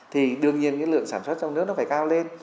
thì đương nhiên cái lượng sản xuất trong nước nó phải cao lên